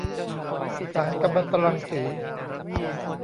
สารกัมมันตรังสี